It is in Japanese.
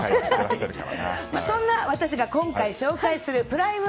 そんな私が今回、紹介するプライム